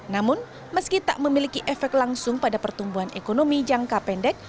namun meski tak memiliki efek langsung pada pertumbuhan ekonomi jangka pendek